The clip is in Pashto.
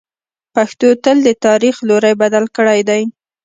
پښتنو تل د تاریخ لوری بدل کړی دی.